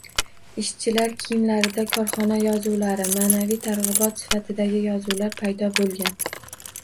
Ishchilar kiyimlarida korxona yozuvlari, maʼnaviy targʻibot sifatidagi yozuvlar paydo boʻlgan.